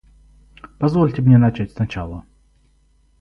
Позвольте мне начать с начала.